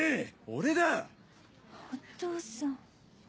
お父さん。